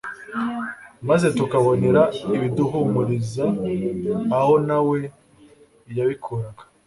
maze tukabonera ibiduhumuriza aho na we yabikuraga: